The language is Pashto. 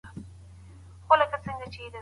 رب ج دي دښمن ذلیل، مختوری او د تاریخ شرمنده کړه.